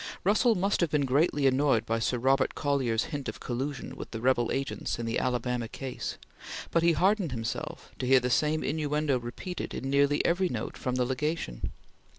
Russell must have been greatly annoyed by Sir Robert Collier's hint of collusion with the rebel agents in the Alabama Case, but he hardened himself to hear the same innuendo repeated in nearly every note from the Legation.